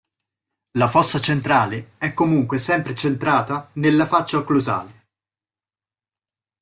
La fossa centrale è comunque sempre centrata nella faccia occlusale.